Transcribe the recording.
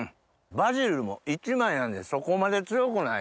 バジルも１枚なんでそこまで強くない。